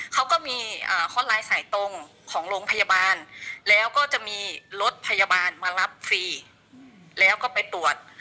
เขาก็มีข้อไลน์สายตรงของโรงพยาบาลแล้วก็จะมีรถพยาบาลมารับฟรีแล้วก็ไปตรวจ